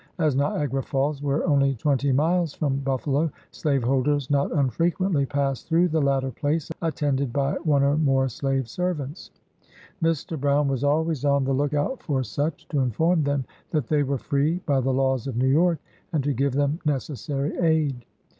As Niagara Falls were only twenty miles from Buffalo, slaveholders not un frequently passed through the latter place attended by one or more slave servants. Mr. Brown was always on AN AMERICAN BONDMAN. 53 the look out for such, to inform them that they were free by the laws of New York, and to give them necessary aid.